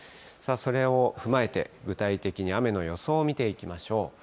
それを踏まえて、具体的に雨の予想を見ていきましょう。